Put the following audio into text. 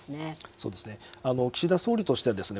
そうですね岸田総理としてはですね